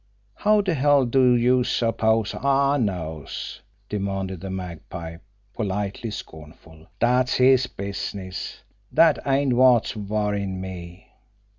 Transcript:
"How de hell do youse suppose I knows!" demanded the Magpie, politely scornful. "Dat's his business dat ain't wot's worryin' me!"